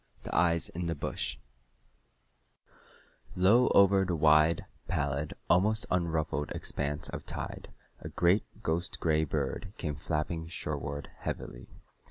The Eyes in the Bush Low over the wide, pallid, almost unruffled expanse of tide a great ghost gray bird came flapping shoreward heavily.